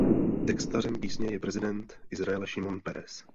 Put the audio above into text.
Textařem písně je prezident Izraele Šimon Peres.